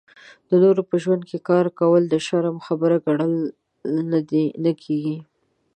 د نورو په ژوند کې کار کول د شرم خبره ګڼل نه کېږي.